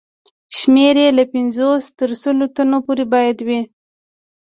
شمېر یې له پنځوس تر سلو تنو پورې باید وي.